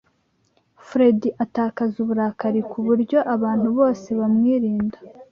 Fredy atakaza uburakari ku buryo abantu bose bamwirinda.